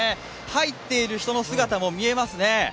入っている人の姿も見えますね。